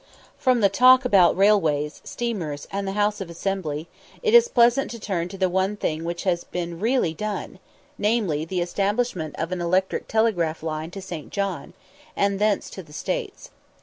From the talk about railways, steamers, and the House of Assembly, it is pleasant to turn to the one thing which has been really done, namely, the establishment of an electric telegraph line to St. John, and thence to the States.